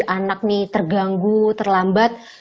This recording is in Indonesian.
anak nih terganggu terlambat